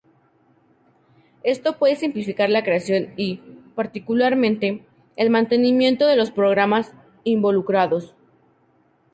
Esto puede simplificar la creación y, particularmente, el mantenimiento de los programas involucrados.